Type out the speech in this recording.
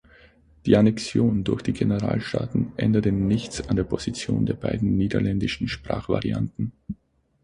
Die Annexion durch die Generalstaaten änderte nichts an der Position der beiden niederländischen Sprachvarianten.